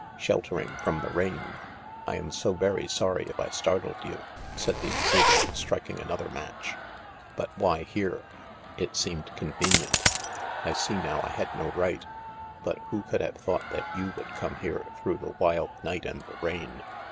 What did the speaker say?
" Sheltering from the rain. I am so very sorry if I startled you," said the intruder, striking another match. " But why here ?"" It seemed convenient. I see now I had no right, but who could have thought that you would come here through the wild night and the rain